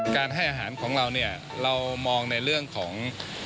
ให้อาหารของเราเนี่ยเรามองในเรื่องของ